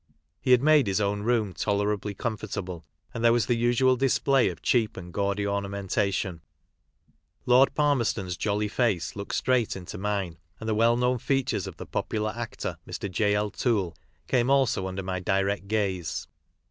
He had made his own room tolerably comfortable, and there was the usual display of cheap and gaudy ornamentation, Lord Palmers ton's jolly face looked straight into mine, and the well known features of the popular actor, Mr. J.L.Toole, came also under my direct gaze.